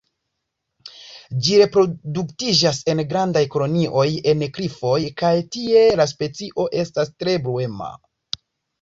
Ĝi reproduktiĝas en grandaj kolonioj en klifoj kaj tie la specio estas tre bruema.